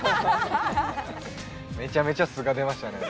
めちゃめちゃ素が出ましたね。